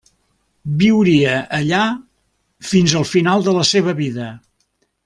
Viuria allà fins al final de la seva vida.